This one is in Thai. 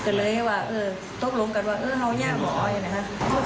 ก็เลยว่าเออตกลงกันว่าเออเรายากกว่าอย่างนี้นะครับ